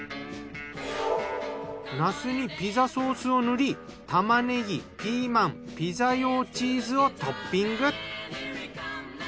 なすにピザソースを塗り玉ねぎ・ピーマン・ピザ用チーズをトッピング。